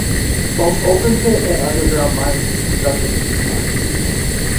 Both open pit and underground mining is conducted at these mines.